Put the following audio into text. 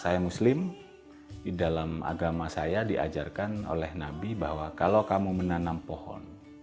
saya muslim di dalam agama saya diajarkan oleh nabi bahwa kalau kamu menanam pohon